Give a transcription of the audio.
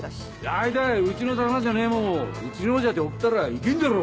大体うちの魚じゃねえもんをうちのじゃって送ったらいけんじゃろ！